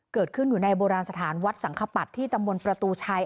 เกิดขึ้นอยู่ในโบราณสถานวัดสังขปัดที่ตำบลประตูชัย